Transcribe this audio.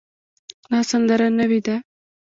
دا سندره نوې ده